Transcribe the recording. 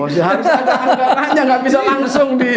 harus ada anggarannya gak bisa langsung di